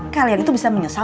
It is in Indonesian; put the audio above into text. kalian itu bisa menyesal